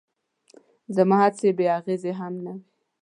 زما هڅې بې اغېزې هم نه وې.